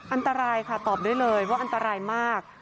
อันตรายค่ะตอบได้เลยว่าอันตรายมาก